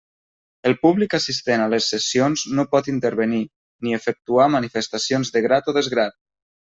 El públic assistent a les sessions no pot intervenir, ni efectuar manifestacions de grat o desgrat.